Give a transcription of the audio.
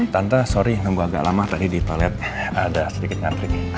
tante sorry nunggu agak lama tadi di toilet ada sedikit ngantrik